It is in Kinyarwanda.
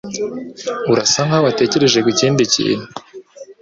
Urasa nkaho watekereje kukindi kintu.